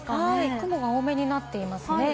雲が多めになっています。